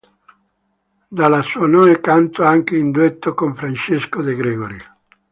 Dalla suonò e cantò anche in duetto con Francesco De Gregori.